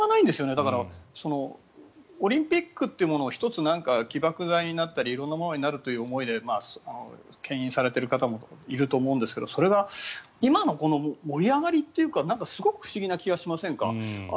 だからオリンピックというものを１つ起爆剤になったり色んなものになるということでけん引されている方もいると思うんですけどそれが今の盛り上がりというかすごく不思議な気がしませんか？